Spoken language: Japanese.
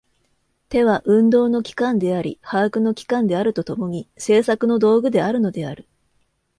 手は運動の機関であり把握の機関であると共に、製作の道具であるのである。